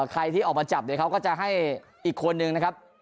ใครที่ออกมาจับเดี๋ยวเขาก็จะให้อีกคนนึงนะครับ